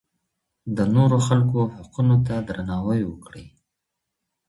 د نورو خلکو حقونو ته درناوی وکړئ.